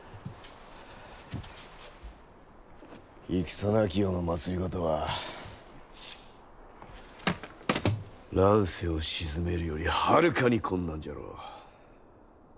戦なき世の政は乱世を鎮めるよりはるかに困難じゃろう。